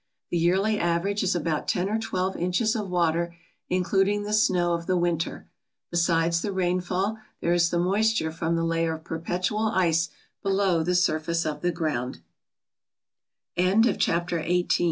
The yearly average is about ten or twelve inches of water, including the snow of the winter. Besides the rainfall, there is the moisture from the layer of perpetual ice below the surf